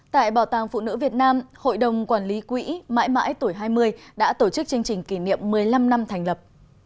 tại bảo tàng phụ nữ việt nam hội đồng quản lý quỹ mãi mãi tuổi hai mươi đã tổ chức chương trình kỷ niệm một mươi năm năm thành lập